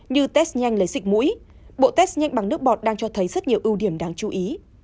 như test nhanh lấy dịch mũi bộ test nhanh bằng nước bọt đang cho thấy rất nhiều ưu điểm đáng chú ý